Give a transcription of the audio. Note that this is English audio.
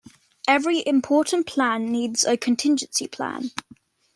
Every important plan needs a contingency plan.